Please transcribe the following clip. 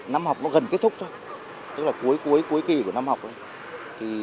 năm học nó gần kết thúc thôi tức là cuối cuối cuối kỳ của năm học